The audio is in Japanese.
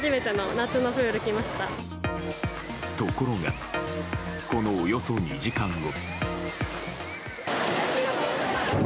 ところがこのおよそ２時間後。